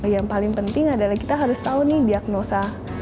yang paling penting adalah kita harus tahu nih diagnosa